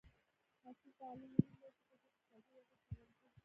عصري تعلیم مهم دی ځکه چې اقتصادي وده سبب ګرځي.